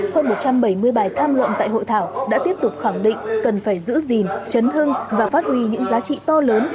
hơn một trăm bảy mươi bài tham luận tại hội thảo đã tiếp tục khẳng định cần phải giữ gìn chấn hương và phát huy những giá trị to lớn